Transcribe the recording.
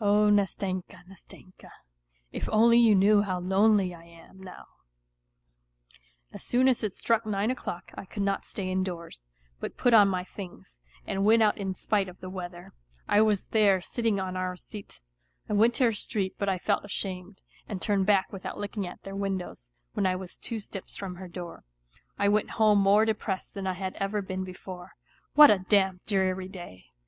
Oh, Nastenka, Nastenka ! If only you knew how lonely I am now ! As soon as it struck nine o'clock I could not stay indoors, but put on my things, and went out in spite of the weather. I was then , silt in<: on our seat. I went to her street, but I felt ashamed, and turned back without looking at their windows, when I was two steps from her door. I went home more depressed than I had ever been before. What a damp, dreary day